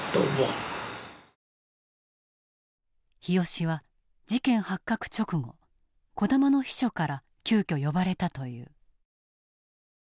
日吉は事件発覚直後児玉の秘書から急きょ呼ばれたという。